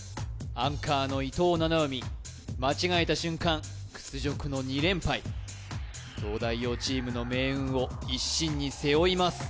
アンカーの伊藤七海間違えた瞬間屈辱の２連敗東大王チームの命運を一身に背負います